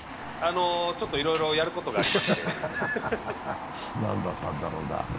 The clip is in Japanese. ちょっといろいろやることがありまして何だったんだろうな。